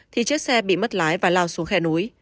thì chiếc xe bị mất lái và lao xuống khe núi